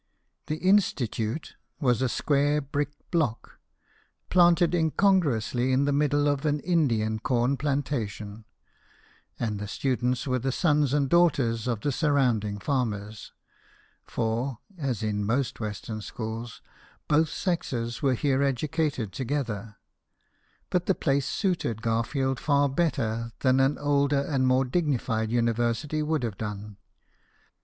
The " institute " was a square brick block, planted incongruously in the middle of an Indian corn plantation ; and the students were the sons and daughters of the surrounding farmers, for (as in most western schools) both sexes were here educated together. 146 BIOGRAPHIES OF WORKING MEN. But the place suited Garfield far better than an older and more dignified university would have done.